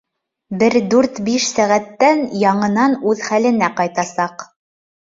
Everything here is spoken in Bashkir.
Бер дүрт-биш сәғәттән яңынан үҙ хәленә ҡайтасаҡ.